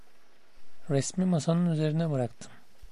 Resmi masanın üzerine bıraktım.